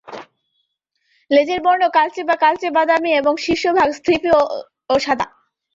লেজের বর্ণ কালচে বা কালচে বাদামি এবং শীর্ষভাগ স্ফীত ও সাদা।